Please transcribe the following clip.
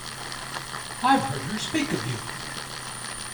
I've heard her speak of you.